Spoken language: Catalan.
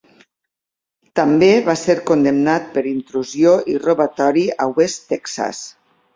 També va ser condemnat per intrusió i robatori a West Texas.